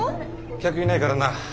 客いないからな。